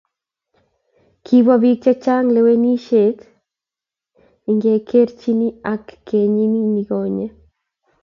Kibwa pik che chnag lewenishet ingekerchin ak kenyin nikonye